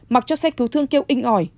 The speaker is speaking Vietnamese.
mặc cho xe cứu thương kêu inh ỏi